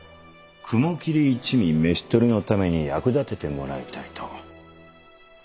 雲霧一味召し捕りのために役立ててもらいたいと。